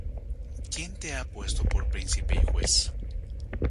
¿Quién te ha puesto por príncipe y juez?